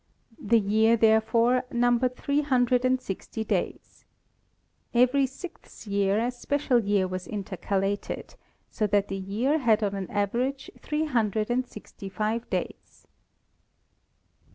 The year, therefore, numbered three hundred and sixty days. Every sixth year a special year was intercalated, so that the year had on an average three hundred and sixty five days.